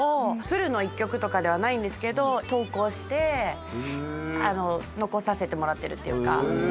フルの１曲ではないんですけど投稿して残させてもらってる。